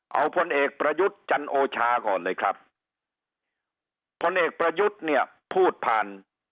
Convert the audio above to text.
เอาพลเอกประยุทธ์จันโอชาก่อนเลยครับพลเอกประยุทธ์เนี่ยพูดผ่าน